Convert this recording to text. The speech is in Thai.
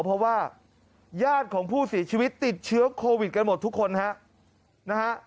เพราะว่าญาติของผู้เสียชีวิตติดเชื้อโควิดกันหมดทุกคนฮะนะฮะ